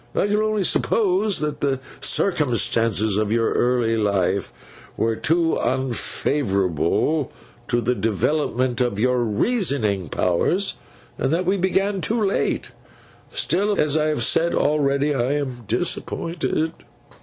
I can only suppose that the circumstances of your early life were too unfavourable to the development of your reasoning powers, and that we began too late. Still, as I have said already, I am disappointed.